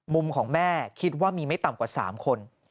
มุมของแม่คิดว่ามีไม่ต่ำกว่า๓คน